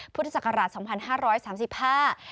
พุทธศักราช๒๕๓๕